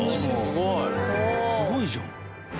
すごいじゃん。